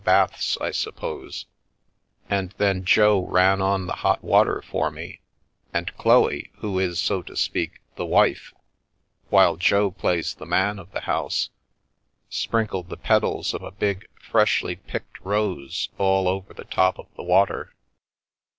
baths, I suppose, and then Jo ran on the hot water for me, and Chloe — who is, so to speak, the wife, while Jo plays the man of the house — sprinkled the petals of a big, freshly picked rose all over the top of the water.